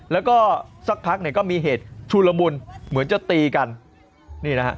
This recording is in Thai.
แล้วก็สักพักเนี่ยก็มีเหตุชุลมุนเหมือนจะตีกันนี่นะฮะ